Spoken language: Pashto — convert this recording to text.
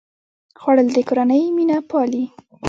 خوړل د کورنۍ مینه پالي